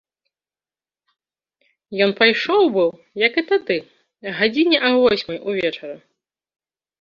Ён пайшоў быў, як і тады, гадзіне а восьмай увечары.